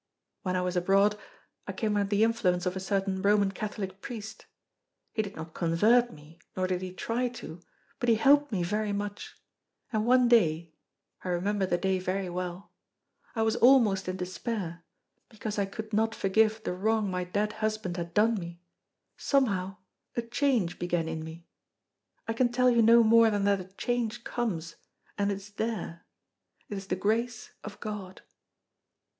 When I was abroad I came under the influence of a certain Roman Catholic priest. He did not convert me, nor did he try to, but he helped me very much; and one day, I remember the day very well, I was almost in despair, because I could not forgive the wrong my dead husband had done me, somehow a change began in me. I can tell you no more than that a change comes, and it is there. It is the grace of God.